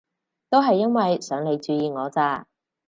都係因為想你注意我咋